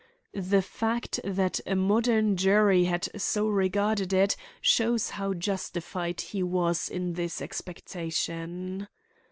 The fact that a modern jury had so regarded it shows how justified he was in this expectation.